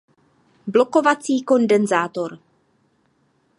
Blokovací kondenzátor